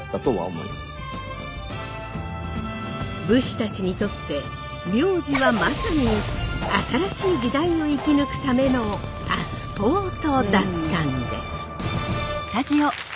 武士たちにとって名字はまさに新しい時代を生き抜くためのパスポートだったんです。